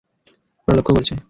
ওরা লক্ষ্য করছে।